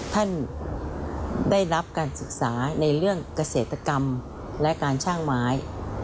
ท่านได้รับการศึกษาในเรื่องเกษตรกรรมและการช่างไม้